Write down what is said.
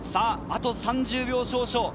あと３０秒少々。